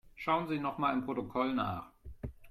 Schauen Sie nochmal im Protokoll nach.